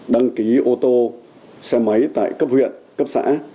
đăng ký ô tô xe máy tại cấp huyện cấp xã